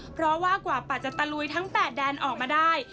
เพราะว่ากว่าปัดจะตะลุยทั้ง๘แดนออกมาได้